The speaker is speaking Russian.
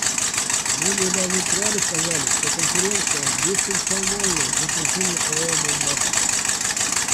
Мы бы даже прямо сказали, что Конференция дисфункциональна в отношении своего мандата.